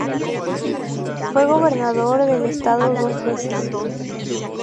Fue gobernador del Estado dos veces.